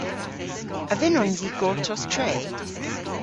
A vynnons i gortos tre?